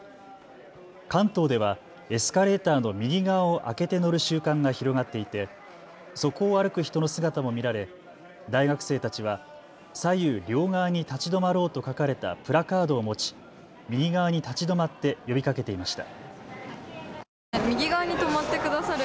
関東ではエスカレーターの右側を空けて乗る習慣が広がっていてそこを歩く人の姿も見られ大学生たちは左右両側に立ち止まろうと書かれたプラカードを持ち右側に立ち止まって呼びかけていました。